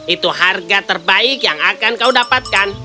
itu harga terbaik yang akan kau dapatkan